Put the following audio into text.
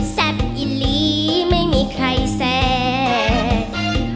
แซ่บอิลีไม่มีใครแซง